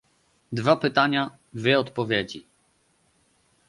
Dwa pytania, dwie odpowiedzi